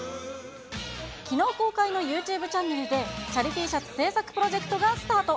きのう公開のユーチューブチャンネルで、チャリＴシャツ制作プロジェクトがスタート。